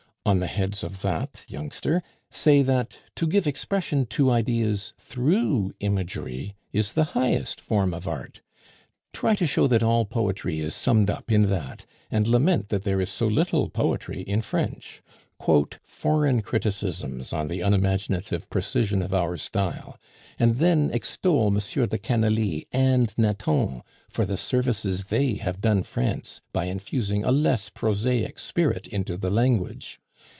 On the heads of that, youngster, say that to give expression to ideas through imagery is the highest form of art. Try to show that all poetry is summed up in that, and lament that there is so little poetry in French; quote foreign criticisms on the unimaginative precision of our style, and then extol M. de Canalis and Nathan for the services they have done France by infusing a less prosaic spirit into the language.